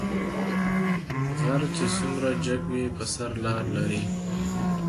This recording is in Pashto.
غر چې څومره جګ وي په سر لار لري